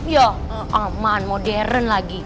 ya aman modern lagi